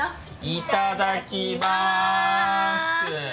いただきます！